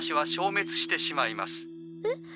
えっ？